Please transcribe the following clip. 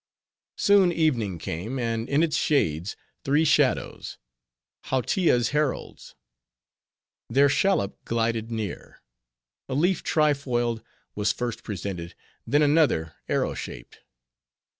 Soon evening came, and in its shades, three shadows,—Hautia's heralds. Their shallop glided near. A leaf tri foiled was first presented; then another, arrow shaped.